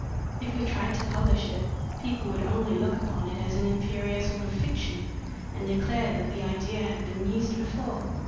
If we tried to publish it, people would only look upon it as an inferior sort of fiction, and declare that the idea had been used before.